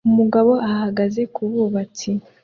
Umugabo ahagaze kububatsi